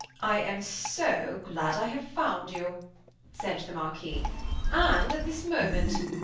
"I am so glad I have found you," said the Marquis; "and at this moment.